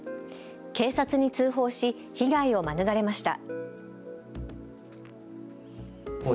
警察に通報し被害を免れました。